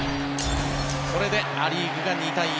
これでア・リーグが２対１。